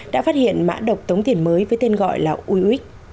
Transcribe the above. đã phát hiện mã độc tống tiền mới với tên gọi là ue